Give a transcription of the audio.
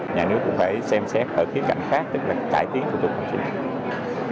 nhà nước cũng phải xem xét ở khía cạnh khác tức là cải tiến thủ tục